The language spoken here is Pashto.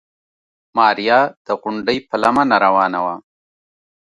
ماريا د غونډۍ په لمنه روانه وه.